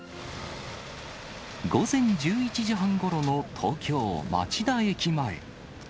午前１１時半ごろの東京・町田駅前。